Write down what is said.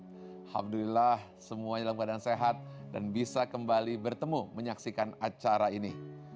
alhamdulillah semuanya dalam keadaan sehat dan bisa kembali bertemu menyaksikan acara ini